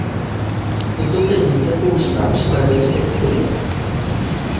Tento termín se používá při barvení textilií.